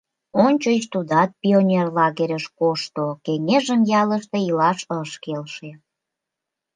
Ончыч тудат пионер лагерьыш кошто, кеҥежым ялыште илаш ыш келше.